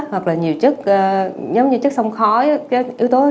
hoặc là nhiều chất giống như chất sông khói